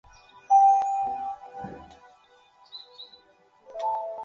太田市地区的城市。